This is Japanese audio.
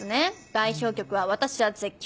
代表曲は『私は絶叫！』。